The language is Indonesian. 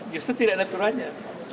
justru tidak ada turannya